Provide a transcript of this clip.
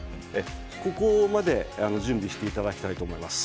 ここまで準備していただきたいと思います。